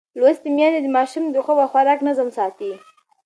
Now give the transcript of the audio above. لوستې میندې د ماشوم د خوب او خوراک نظم ساتي.